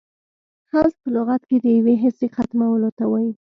حذف په لغت کښي د یوې حصې ختمولو ته وايي.